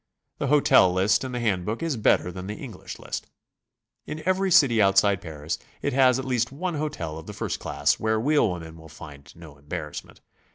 The hotel list in the hand book is better than the English list. In every city outside Paris it has at least one hotel of the first class, where wheel women will find no embarrassmen't.